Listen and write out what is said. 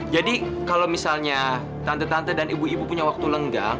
jadi kalau misalnya tante tante dan ibu ibu punya waktu lenggang